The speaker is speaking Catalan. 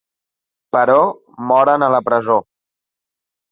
Però moren a la presó.